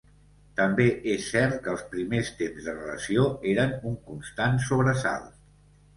També és cert que els primers temps de relació eren un constant sobresalt.